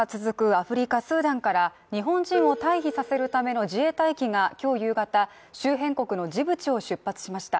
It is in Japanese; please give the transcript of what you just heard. アフリカ・スーダンから日本人を退避させるための自衛隊機が今日夕方、周辺国のジブチを出発しました。